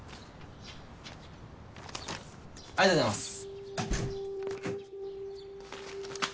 ありがとうございます。